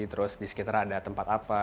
terus di sekitar ada tempat apa